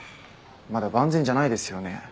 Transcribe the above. まだ万全じゃないですよね？